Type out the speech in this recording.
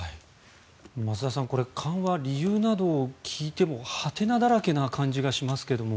増田さんこれ緩和の理由などを聞いてもハテナだらけな感じがしますけども。